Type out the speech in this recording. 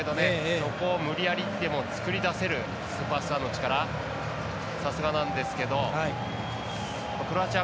そこを無理やりでも作り出せるスーパースターの力さすがなんですけどクロアチア